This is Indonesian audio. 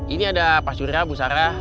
ini ada pak surya bu sarah